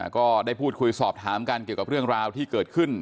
ก็ได้พูดคุยสอบถามกันเกี่ยวกับเรื่องราวที่เกิดขึ้น